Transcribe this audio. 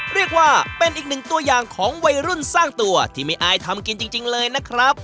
เรียกว่าเป็นอีกหนึ่งตัวอย่างของวัยรุ่นสร้างตัวที่ไม่อายทำกินจริงเลยนะครับ